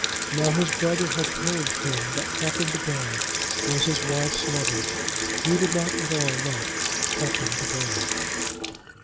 Now his brother had told him that Captain De Baron was his wife's lover. He did not at all like Captain De Baron.